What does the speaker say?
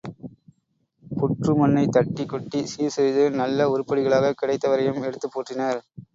புற்று மண்ணைத் தட்டிக் கொட்டிச் சீர்செய்து, நல்ல உருப்படிகளாகக் கிடைத்தவரையும் எடுத்துப் போற்றினர்.